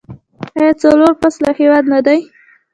آیا څلور فصله هیواد نه دی؟